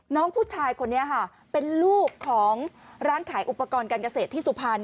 น้องผู้ชายคนนี้ค่ะเป็นลูกของร้านขายอุปกรณ์การเกษตรที่สุพรรณ